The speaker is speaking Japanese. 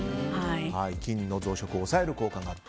菌の増殖を抑える効果がある。